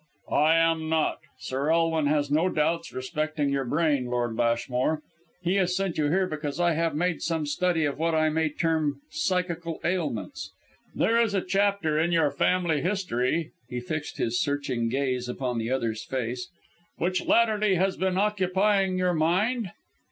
"I am not. Sir Elwin has no doubts respecting your brain, Lord Lashmore. He has sent you here because I have made some study of what I may term psychical ailments. There is a chapter in your family history" he fixed his searching gaze upon the other's face "which latterly has been occupying your mind?"